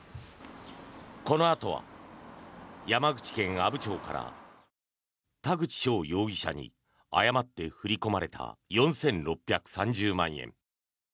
このあとは山口県阿武町から田口翔容疑者に誤って振り込まれた４６３０万円。